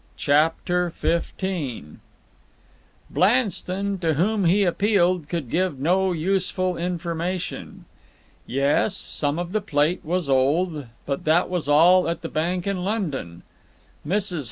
CHAPTER XV Blanston, to whom he appealed, could give no useful information. Yes, some of the plate was old, but that was all at the bank in London. Mrs.